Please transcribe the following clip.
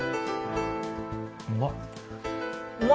うまっ。